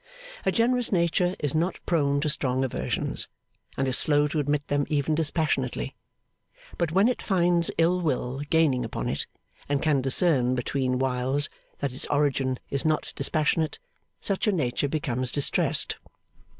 A generous nature is not prone to strong aversions, and is slow to admit them even dispassionately; but when it finds ill will gaining upon it, and can discern between whiles that its origin is not dispassionate, such a nature becomes distressed.